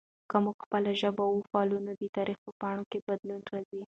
که موږ خپله ژبه وپالو نو د تاریخ په پاڼو کې بدلون راځي.